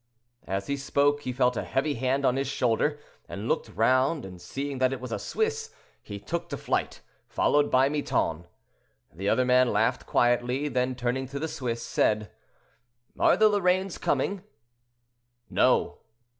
As he spoke, he felt a heavy hand on his shoulder, and, looking round and seeing that it was a Swiss, he took to flight, followed by Miton. The other man laughed quietly, then turning to the Swiss, said: "Are the Lorraines coming?" "No."